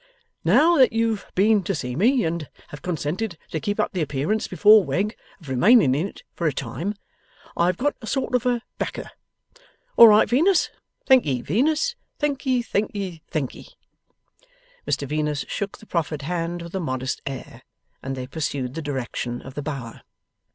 Now, that you've been to see me, and have consented to keep up the appearance before Wegg of remaining in it for a time, I have got a sort of a backer. All right, Venus. Thank'ee, Venus. Thank'ee, thank'ee, thank'ee!' Mr Venus shook the proffered hand with a modest air, and they pursued the direction of the Bower.